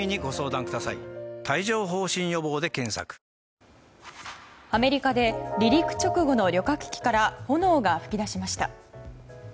ニトリアメリカで離陸直後の旅客機から炎が噴き出しました。